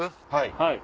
はい。